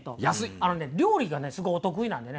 あのね料理がすごいお得意なんでね